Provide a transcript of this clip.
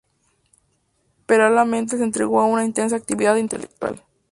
Paralelamente se entrega a una intensa actividad intelectual.